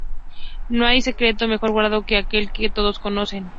No hay secreto mejor guardado que aquel que todos conocen